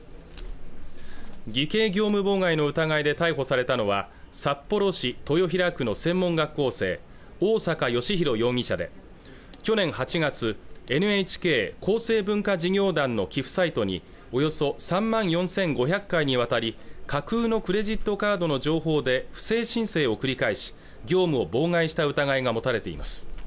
偽計業務妨害の疑いで逮捕されたのは札幌市豊平区の専門学校生大坂良広容疑者で去年８月ＮＨＫ厚生文化事業団の寄付サイトにおよそ３万４５００回にわたり架空のクレジットカードの情報で不正申請を繰り返し業務を妨害した疑いが持たれています